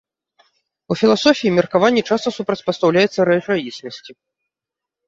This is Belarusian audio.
У філасофіі меркаванне часта супрацьпастаўляецца рэчаіснасці.